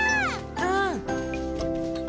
うん！